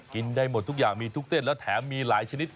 กินได้หมดทุกอย่างมีทุกเส้นแล้วแถมมีหลายชนิด